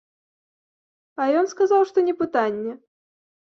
А ён сказаў, што не пытанне.